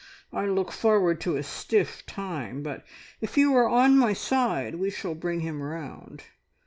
I look forward to a stiff time, but if you are on my side we shall bring him round.